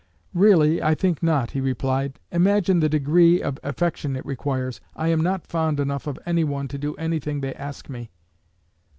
"Really, I think not," he replied. "Imagine the degree of affection it requires! I am not fond enough of any one to do any thing they ask me."